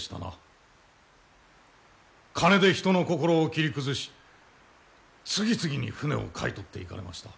金で人の心を切り崩し次々に船を買い取っていかれました。